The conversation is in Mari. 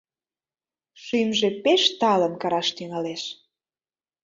Шӱмжӧ пеш талын кыраш тӱҥалеш.